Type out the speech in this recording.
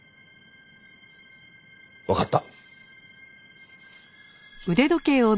わかった。